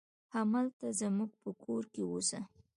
همالته زموږ په کور کې اوسه.